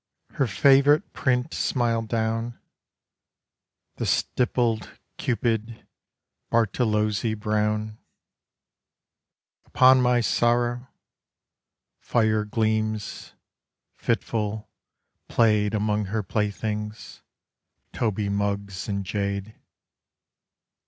... Her favourite print smiled down The stippled Cupid, Bartolozzi brown Upon my sorrow. Fire gleams, fitful, played Among her playthings Toby mugs and jade....